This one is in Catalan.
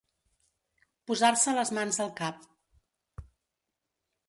Posar-se les mans al cap.